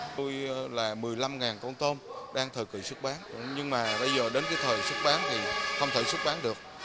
tôi là một mươi năm con tôm đang thời kỳ xuất bán nhưng mà bây giờ đến cái thời xuất bán thì không thể xuất bán được